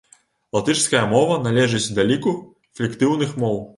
Латышская мова належыць да ліку флектыўных моў.